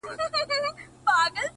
په يويشتم قرن کي داسې محبت کومه”